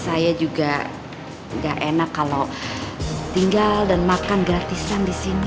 saya juga gak enak kalau tinggal dan makan gratisan di sini